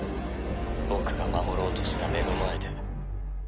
僕が守ろうとした目の前で。